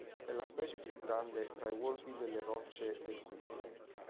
È la specie più grande tra i wallaby delle rocce del Queensland.